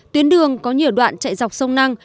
tuyến đường có nhiều đoạn chạy dọc sông năng